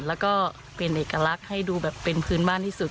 แล้วก็เป็นเอกลักษณ์ให้ดูแบบเป็นพื้นบ้านที่สุด